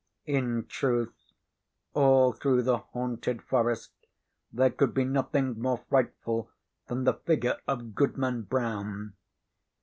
In truth, all through the haunted forest there could be nothing more frightful than the figure of Goodman Brown.